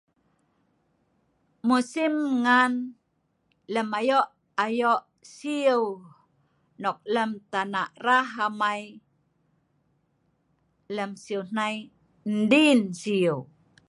Musim ngan lem ayo'-ayo siu nok lem tanak rah amai, lem siu nai, diin siu